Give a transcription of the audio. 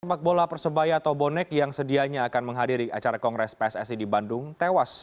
sepak bola persebaya atau bonek yang sedianya akan menghadiri acara kongres pssi di bandung tewas